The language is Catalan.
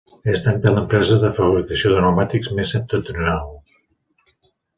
És també l'empresa de fabricació de pneumàtics més septentrional.